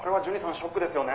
ショックですよね」。